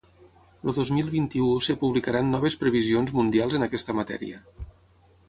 El dos mil vint-i-u es publicaran noves previsions mundials en aquesta matèria.